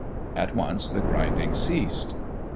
At once the grinding ceased.